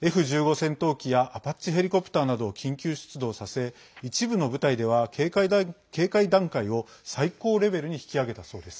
戦闘機やアパッチヘリコプターなどを緊急出動させ一部の部隊では警戒段階を最高レベルに引き上げたそうです。